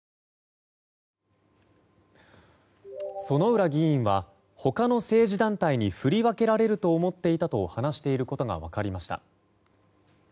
薗浦議員は他の政治団体に振り分けられると思っていたと話していることが分かりました。